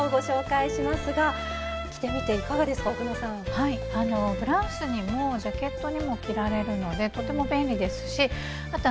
はいあのブラウスにもジャケットにも着られるのでとても便利ですしあと